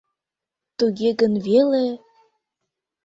— Туге гын веле...